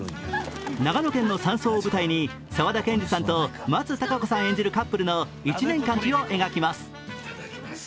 長野県の山荘を舞台に沢田研二さんと松たか子さん演じるカップルの１年間を描きます。